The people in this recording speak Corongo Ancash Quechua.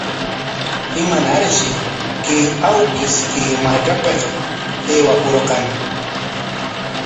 ¿Imanarshi chay awkish kay markapik aywakurqan?